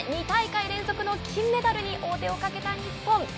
２大会連続の金メダルに王手をかけた日本。